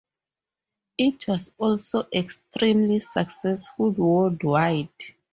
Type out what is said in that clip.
It was also extremely successful worldwide.